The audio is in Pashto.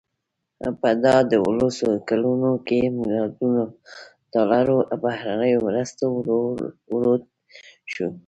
په دا دولسو کلونو کې ملیاردونو ډالرو بهرنیو مرستو ورود شو.